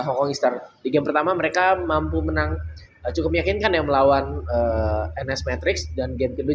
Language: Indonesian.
hongkongestar di game pertama mereka mampu menang cukup meyakinkan yang melawan ns patrick dan game kedua